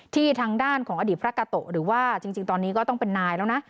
ทางด้านของอดีตพระกาโตะหรือว่าจริงตอนนี้ก็ต้องเป็นนายแล้วนะ